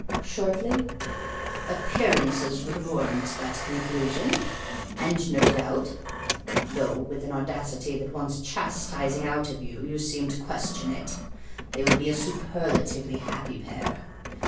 "Shortly?" "Appearances would warrant that conclusion: and, no doubt (though, with an audacity that wants chastising out of you, you seem to question it), they will be a superlatively happy pair.